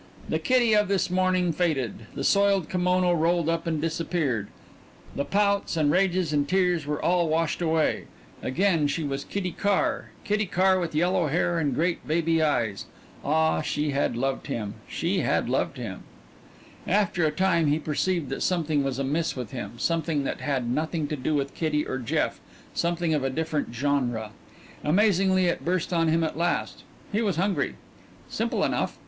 The Kitty of this morning faded; the soiled kimono rolled up and disappeared; the pouts, and rages, and tears all were washed away. Again she was Kitty Carr Kitty Carr with yellow hair and great baby eyes. Ah, she had loved him, she had loved him. After a while he perceived that something was amiss with him, something that had nothing to do with Kitty or Jeff, something of a different genre. Amazingly it burst on him at last; he was hungry. Simple enough!